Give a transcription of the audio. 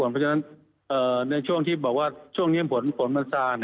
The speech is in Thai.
เพราะฉะนั้นในช่วงที่เมื่อวาดช่วงนี้ฝนมันซาน